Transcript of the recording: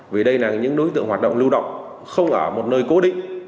vì đây là những đối tượng hoạt động lưu động không ở một nơi cố định